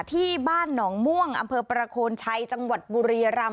ที่บ้านหนองม่วงอำเภอประโคนชัยจังหวัดบุรียรำ